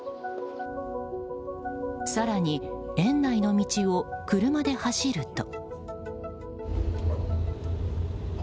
更に、園内の道を車で走ると。